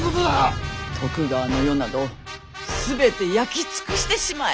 徳川の世などすべて焼き尽くしてしまえ。